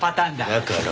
だから。